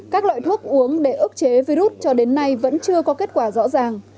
các loại thuốc uống để ức chế virus cho đến nay vẫn chưa có kết quả rõ ràng